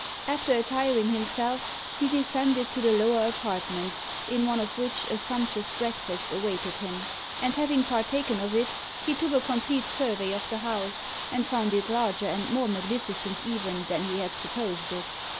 After attiring himself, he descended to the lower apartments, in one of which a sumptuous breakfast awaited him; and having partaken of it, he took a complete survey of the house, and found it larger and more magnificent even than he had supposed it.